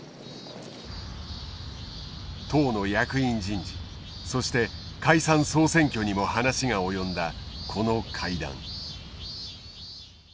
党の役員人事そして解散総選挙にも話が及んだこの会談。